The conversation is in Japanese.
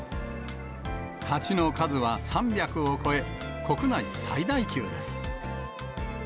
鉢の数は３００を超え、国内最大級です。